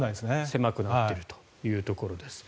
狭くなっているということです。